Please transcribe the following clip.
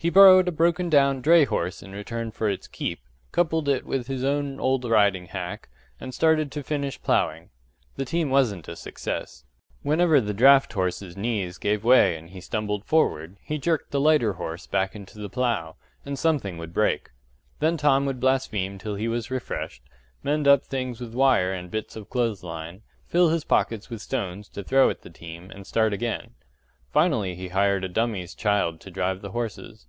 He borrowed a broken down dray horse in return for its keep, coupled it with his own old riding hack, and started to finish ploughing. The team wasn't a success. Whenever the draught horse's knees gave way and he stumbled forward, he jerked the lighter horse back into the plough, and something would break. Then Tom would blaspheme till he was refreshed, mend up things with wire and bits of clothes line, fill his pockets with stones to throw at the team, and start again. Finally he hired a dummy's child to drive the horses.